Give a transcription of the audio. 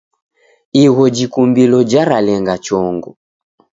Igho jikumbilo jaralenga chongo.